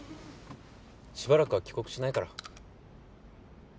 しばらくは帰国しないから。